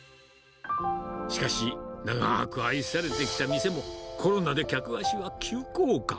しかし、長く愛されてきた店も、コロナで客足は急降下。